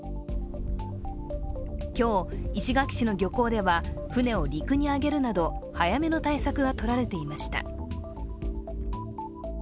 今日、石垣市の漁港では船を陸に上げるなど早めの対策がとられていました。